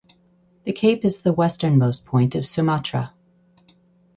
The cape is the westernmost point of Sumatra.